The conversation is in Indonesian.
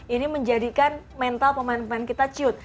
ini menjadikan mental pemain pemain kita ciut